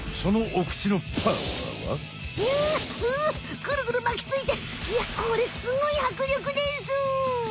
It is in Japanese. ぐるぐるまきついていやこれすごいはくりょくです！